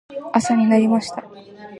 朝になりました。